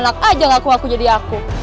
enak aja ngaku ngaku jadi aku